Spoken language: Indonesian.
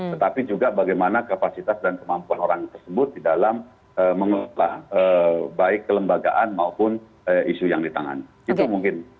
tetapi juga bagaimana kapasitas dan kemampuan orang tersebut di dalam mengelola baik kelembagaan maupun isu yang ditangani itu mungkin